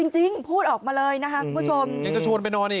จริงพูดออกมาเลยนะครับคุณผู้ชม